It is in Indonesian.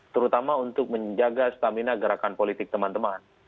terutama untuk menjaga stamina gerakan politik teman teman